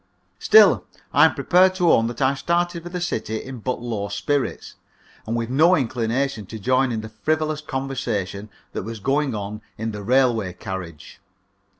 Still, I am prepared to own that I started for the city in but low spirits, and with no inclination to join in the frivolous conversation that was going on in the railway carriage.